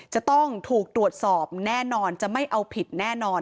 จะต้องถูกตรวจสอบแน่นอนจะไม่เอาผิดแน่นอน